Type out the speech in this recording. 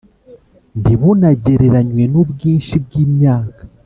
ntibunagereranywe n’ubwinshi bw’imyaka;